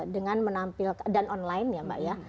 dengan menampilkan dan online ya mbak ya